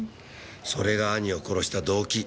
それが兄を殺した動機。